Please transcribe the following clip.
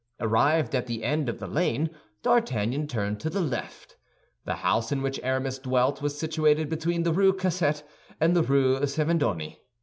Arrived at the end of the lane, D'Artagnan turned to the left. The house in which Aramis dwelt was situated between the Rue Cassette and the Rue Servandoni.